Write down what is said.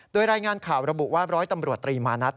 โดยรายงานข่าวระบุว่าร้อยตำรวจตรีมานัด